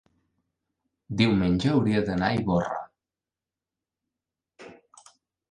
diumenge hauria d'anar a Ivorra.